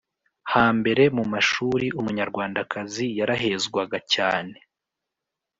hambere mu mashuri umunyarwandakazi yarahezwaga cyane